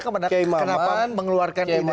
kenapa mengeluarkan ide seperti itu